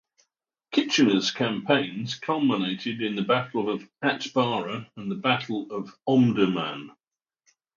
Kitchener's campaigns culminated in the Battle of Atbara and the Battle of Omdurman.